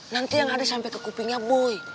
nanti yang ada sampai ke kupingnya boy